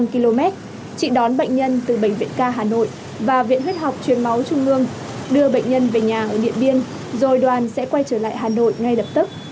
khi bệnh nhân về nhà ở điện biên rồi đoàn sẽ quay trở lại hà nội ngay lập tức